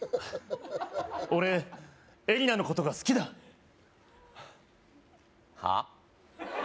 俺エリナのことが好きだはあ？